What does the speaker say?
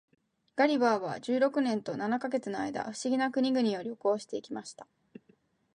ガリバーは十六年と七ヵ月の間、不思議な国々を旅行して来ました。